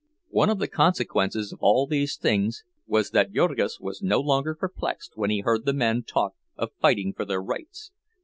One of the consequences of all these things was that Jurgis was no longer perplexed when he heard men talk of fighting for their rights.